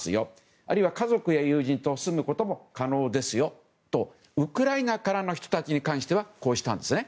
あるいは家族や友人と住むことも可能ですよとウクライナからの人たちに関しては、こうしたんですね。